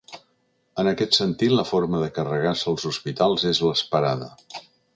En aquest sentit la forma de carregar-se els hospitals és l'esperada.